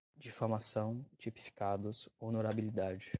difamação, tipificados, honorabilidade